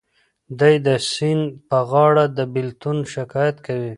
دی د سیند په غاړه د بېلتون شکایت کوي.